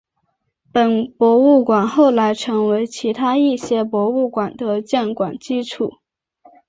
本博物馆后来成为其他一些博物馆的建馆基础。